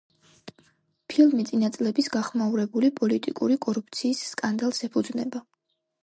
ფილმი წინა წლების გახმაურებული პოლიტიკური კორუფციის სკანდალს ეფუძნება.